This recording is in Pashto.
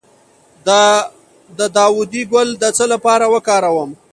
د داودي ګل د څه لپاره وکاروم؟